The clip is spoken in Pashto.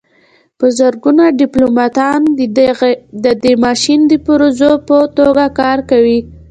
په زرګونو ډیپلوماتان د دې ماشین د پرزو په توګه کار کوي